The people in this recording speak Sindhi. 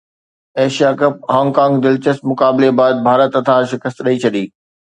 ايشيا ڪپ هانگ ڪانگ دلچسپ مقابلي بعد ڀارت هٿان شڪست ڏئي ڇڏي